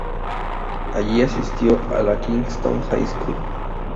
Allí asistió a la Kingston High School.